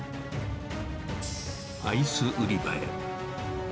アイス売り場へ。